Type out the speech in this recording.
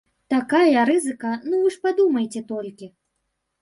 Такая рызыка, ну, вы ж падумайце толькі!